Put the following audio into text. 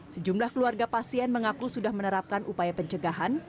sejumlah keluarga pasien mengaku sudah menerapkan upaya pencegahan